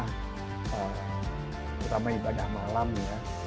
terima ibadah malam ya